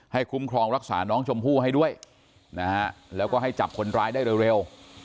คุ้มครองรักษาน้องชมพู่ให้ด้วยนะฮะแล้วก็ให้จับคนร้ายได้เร็ว